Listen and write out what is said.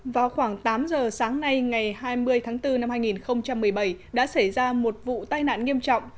vào khoảng tám giờ sáng nay ngày hai mươi tháng bốn năm hai nghìn một mươi bảy đã xảy ra một vụ tai nạn nghiêm trọng